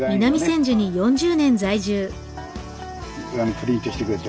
プリントしてくれって。